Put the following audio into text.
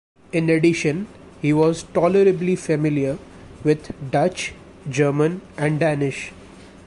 In addition, he was 'tolerably familiar' with Dutch, German and Danish.